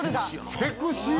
セクシー！